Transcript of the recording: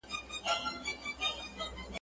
او سره له هغه چي تقر یباً ټول عمر یې !.